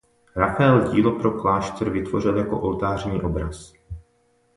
Raffael dílo pro klášter vytvořil jako oltářní obraz.